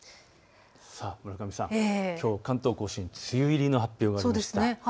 村上さん、きょう関東甲信、梅雨入りの発表がありました。